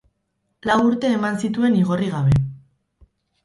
Lau urte eman zituen igorri gabe.